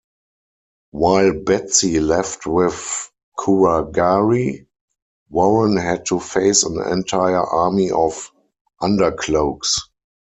While Betsy left with Kuragari, Warren had to face an entire army of Undercloaks.